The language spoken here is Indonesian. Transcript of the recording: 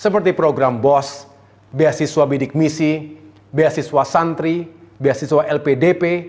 program bos biasiswa bidik misi biasiswa santri biasiswa lpdp